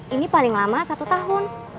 ini paling lama satu tahun